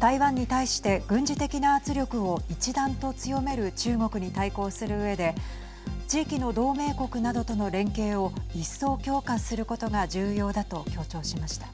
台湾に対して軍事的な圧力を一段と強める中国に対抗するうえで地域の同盟国などとの連携を一層、強化することが重要だと強調しました。